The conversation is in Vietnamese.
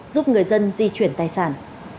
giúp người dân di chuyển tài sản